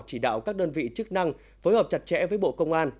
chỉ đạo các đơn vị chức năng phối hợp chặt chẽ với bộ công an